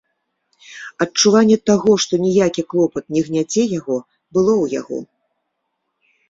Адчуванне таго, што ніякі клопат не гняце яго, было ў яго.